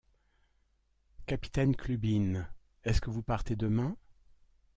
Capitaine Clubin, est-ce que vous partez demain?